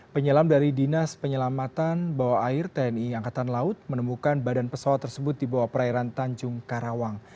penyelam dari dinas penyelamatan bawah air tni angkatan laut menemukan badan pesawat tersebut di bawah perairan tanjung karawang